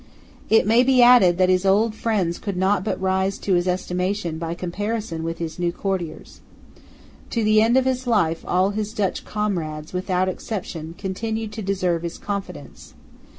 It may be added that his old friends could not but rise in his estimation by comparison with his new courtiers. To the end of his life all his Dutch comrades, without exception, continued to deserve his confidence.